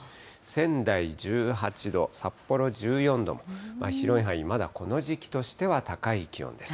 仙台１８度、札幌１４度、広い範囲、まだこの時期としては高い気温です。